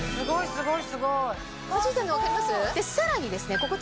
すごい。